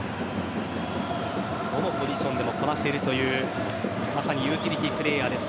どのポジションでもこなせるというまさにユーティリティープレーヤーです